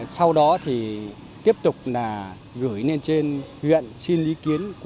sau đó thì tiếp tục là gửi lên trên huyện xin ý kiến